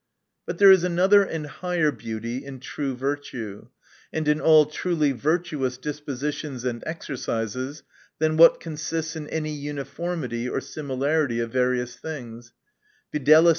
But there is another and higher beauty in true virtue, and in all truly virtuous dispositions and exercises, than what consists in any uniformity or similarity of various things, viz.